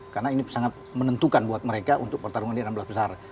karena ini sangat menentukan buat mereka untuk pertarungan di enam belas besar